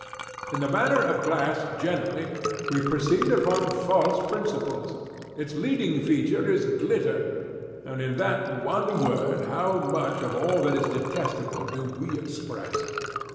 In the matter of glass, generally, we proceed upon false principles. Its leading feature is _glitter—_and in that one word how much of all that is detestable do we express!